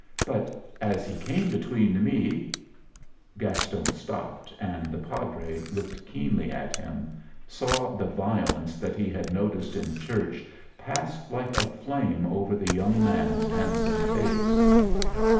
But as he came between me " Gaston stopped, and the Padre, looking keenly at him, saw the violence that he had noticed in church pass like a flame over the young man's handsome face.